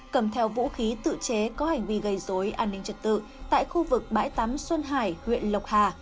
cầm theo vũ khí tự chế có hành vi gây dối an ninh trật tự tại khu vực bãi tắm xuân hải huyện lộc hà